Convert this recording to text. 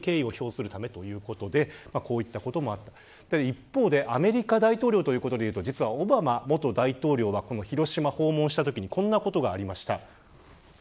一方で、アメリカ大統領ということでいうとオバマ元大統領が広島を訪問したときにこんなことがありました。